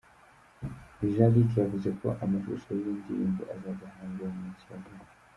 Jean Luc yavuze ko amashusho y'iyi ndirimbo azajya hanze mu minsi ya vuba.